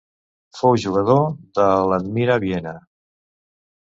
Fou jugador de l'Admira Viena.